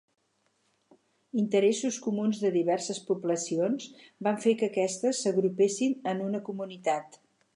Interessos comuns de diverses poblacions van fer que aquestes s'agrupessin en una Comunitat.